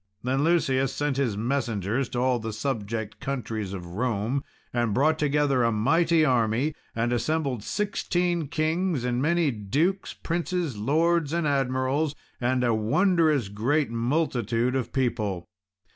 Then Lucius sent messengers to all the subject countries of Rome, and brought together a mighty army, and assembled sixteen kings, and many dukes, princes, lords, and admirals, and a wondrous great multitude of people.